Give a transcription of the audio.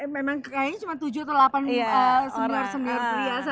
memang kayaknya cuma tujuh atau delapan senior senior pria saja yang jaget